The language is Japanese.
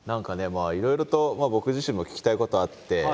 まあいろいろと僕自身も聞きたいことあって。